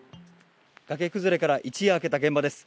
崖崩れから一夜明けた現場です。